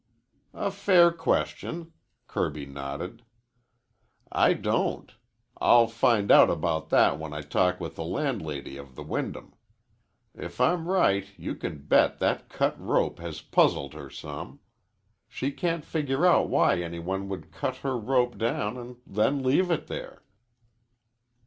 "A fair question," Kirby nodded. "I don't. I'll find out about that when I talk with the landlady of the Wyndham. If I'm right you can bet that cut rope has puzzled her some. She can't figure out why any one would cut her rope down an' then leave it there."